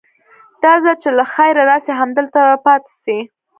دا ځل چې له خيره راسي همدلته به پاته سي.